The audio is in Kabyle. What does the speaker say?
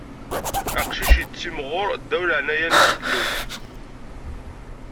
Aqcic ittimɣur ddaw n leɛnaya n Yillu.